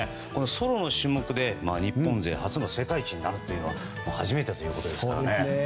ソロの種目で日本勢初の世界一になるというのは初めてということですからね。